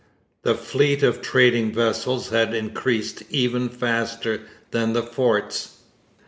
The fleet of trading vessels had increased even faster than the forts.